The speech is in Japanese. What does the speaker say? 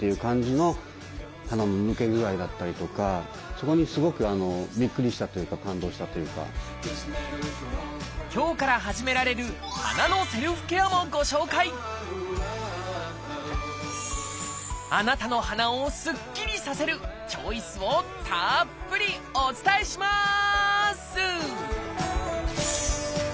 そこにすごくびっくりしたというか今日から始められる鼻のセルフケアもご紹介あなたの鼻をスッキリさせるチョイスをたっぷりお伝えします！